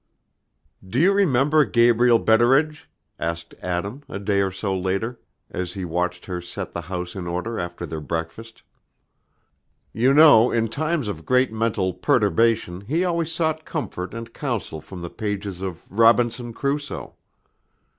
"Do you remember Gabriel Betteredge?" asked Adam, a day or so later, as he watched her set the house in order after their breakfast. "You know in times of great mental perturbation he always sought comfort and counsel from the pages of 'Robinson Crusoe.'